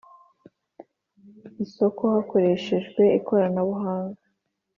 isoko hakoreshejwe ikoranabuhanga